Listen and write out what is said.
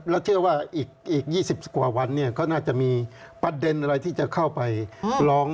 แล้วเชื่อว่าอีก๒๐กว่าวันเนี่ยก็น่าจะมีประเด็นอะไรที่จะเข้าไปร้อง